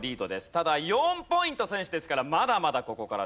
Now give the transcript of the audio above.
ただ４ポイント先取ですからまだまだここからですよ。